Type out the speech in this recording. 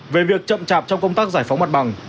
về việc chậm chạp trong công tác giải phóng mặt bằng